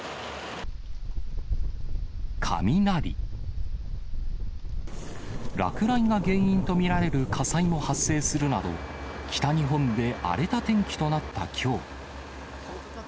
雷、落雷が原因と見られる火災も発生するなど、北日本で荒れた天気となったきょう。